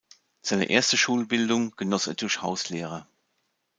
Seine erste Schulbildung genoss er durch Hauslehrer.